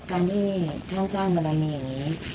การที่ท่านสร้างบารมีอย่างนี้